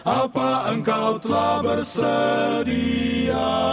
apa engkau telah bersedia